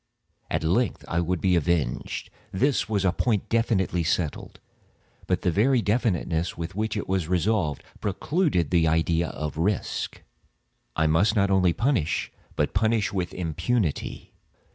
At length I would be avenged; this was a point definitively settled—but the very definitiveness with which it was resolved, precluded the idea of risk. I must not only punish, but punish with impunity.